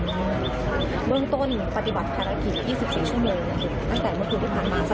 เมื่องต้นปฏิบัติธาระกี๒๔ชั่วโนมันตั้งแต่เมื่อคืนผ่านมา